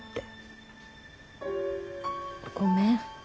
ごめん。